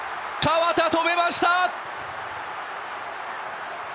河田、止めました！